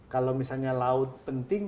kalau misalnya laut penting